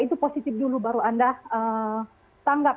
itu positif dulu baru anda tanggap